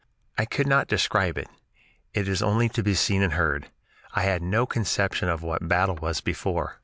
I could not describe it; it is only to be seen and heard. I had no conception of what a battle was before.